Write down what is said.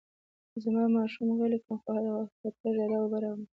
زه به ماشوم غلی کړم، خو ته ژر اوبه راوړه.